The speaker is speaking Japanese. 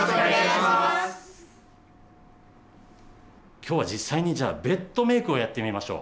今日は実際にじゃあベッドメークをやってみましょう。